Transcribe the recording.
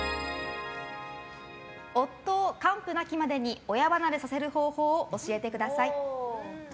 夫を完膚なきまでに親離れさせる方法を教えてください。